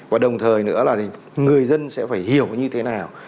và đồng thời nữa là người dân sẽ phải hiểu như thế nào